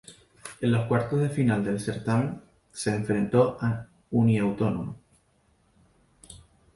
En los cuartos de final del certamen, se enfrentó a Uniautónoma.